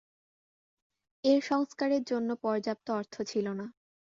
এর সংস্কারের জন্য পর্যাপ্ত অর্থ ছিল না।